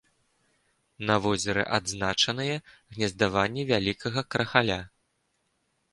На возеры адзначаныя гнездаванні вялікага крахаля.